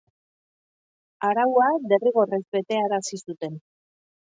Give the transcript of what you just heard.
Araua derrigorrez betearazi zuten.